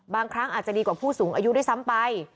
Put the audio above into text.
บางครั้งอาจจะดีกว่าผู้สูงอายุด้วยซ้ำไป